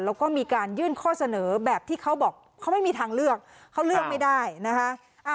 แล้วก็มีการยื่นข้อเสนอแบบที่เขาบอกเขาไม่มีทางเลือกเขาเลือกไม่ได้นะคะ